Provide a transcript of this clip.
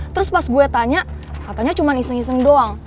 terus pas gue tanya katanya cuma iseng iseng doang